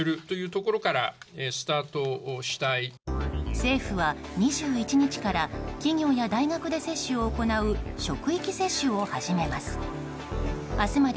政府は、２１日から企業や大学で接種を行う職域接種を始めます。